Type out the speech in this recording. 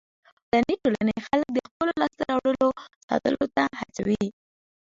مدني ټولنې خلک د خپلو لاسته راوړنو ساتلو ته هڅوي.